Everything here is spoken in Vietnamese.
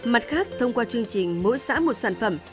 mặt khác thông qua chương trình mỗi xã một sản phẩm